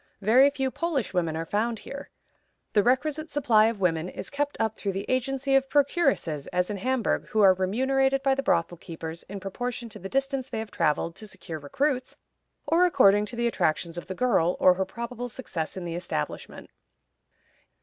Very few Polish women are found here. The requisite supply of women is kept up through the agency of procuresses, as in Hamburg, who are remunerated by the brothel keepers in proportion to the distance they have traveled to secure recruits, or according to the attractions of the girl, or her probable success in the establishment.